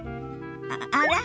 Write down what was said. あら？